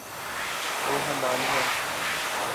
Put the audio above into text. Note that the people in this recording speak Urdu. وہ ہلال ہے